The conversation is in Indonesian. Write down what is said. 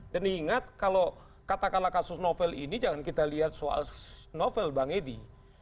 dan ingat kalau katakanlah kasus novel ini jangan kita lihat soal novel bang edi